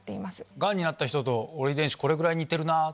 「ガンになった人と俺遺伝子これぐらい似てるな」。